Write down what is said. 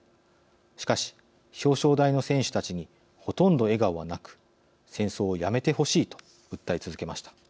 しかし、表彰台の選手たちにほとんど笑顔はなく戦争をやめてほしいと訴え続けました。